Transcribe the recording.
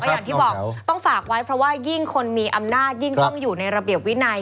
อย่างที่บอกต้องฝากไว้เพราะว่ายิ่งคนมีอำนาจยิ่งต้องอยู่ในระเบียบวินัย